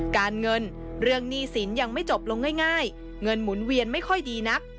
การเงินเรื่องหนี้สินยังไม่จบลงง่ายเงินหมุนเวียนไม่ค่อยดีนัก